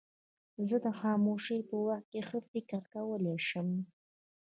زه د خاموشۍ په وخت کې ښه فکر کولای شم.